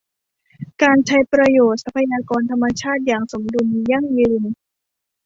การใช้ประโยชน์ทรัพยากรธรรมชาติอย่างสมดุล ยั่งยืน